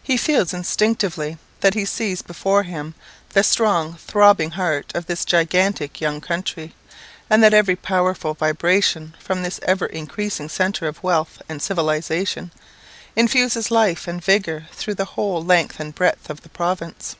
He feels instinctively that he sees before him the strong throbbing heart of this gigantic young country, and that every powerful vibration from this ever increasing centre of wealth and civilisation, infuses life and vigour through the whole length and breadth of the province.